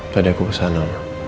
tadi aku kesana